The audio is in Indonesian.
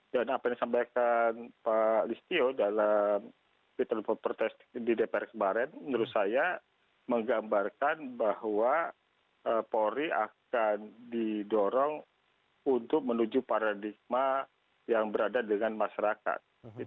dan apa yang disampaikan pak listio dalam di depok protes di dprk kemarin menurut saya menggambarkan bahwa polri akan didorong untuk menuju paradigma yang berada dengan masyarakat